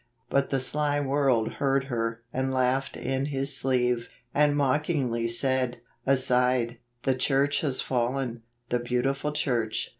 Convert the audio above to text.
But the sly world heard her, and laughed in his sleeve. And mockingly said, aside, 1 The church ha# fallen, the beautiful church.